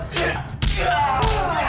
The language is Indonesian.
bawa dia ke rumah